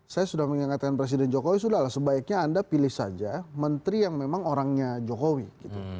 saya sudah mengingatkan presiden jokowi sudah lah sebaiknya anda pilih saja menteri yang memang orangnya jokowi gitu